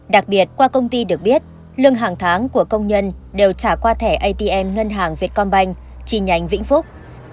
đặc biệt qua công ty được biết lương hàng tháng của công nhân đều trả qua thẻ atm ngân hàng vietcombank trì nhánh vĩnh phúc